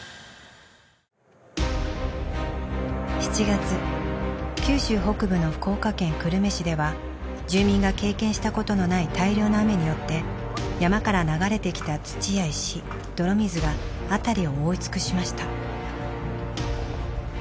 ７月九州北部の福岡県久留米市では住民が経験したことのない大量の雨によって山から流れてきた土や石泥水が辺りを覆い尽くしました。